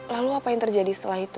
lalu apa yang terjadi setelah itu